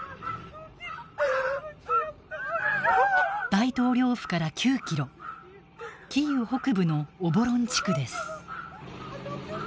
大統領府から９キロキーウ北部のオボロン地区です。